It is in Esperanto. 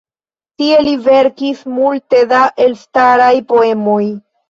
Tie li verkis multe da elstaraj poemoj.